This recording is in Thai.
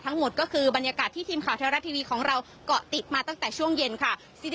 ทั้งหมดก็คือบรรยากาศที่ทีมข่าวเทวรัฐทีวีของเราเกาะติดมาตั้งแต่ช่วงเย็นค่ะ